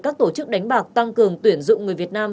các tổ chức đánh bạc tăng cường tuyển dụng người việt nam